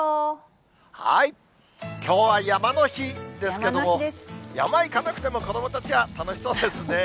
きょうは山の日ですけども、山行かなくても、子どもたちは楽しそうですね。